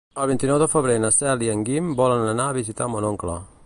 El vint-i-nou de febrer na Cel i en Guim volen anar a visitar mon oncle.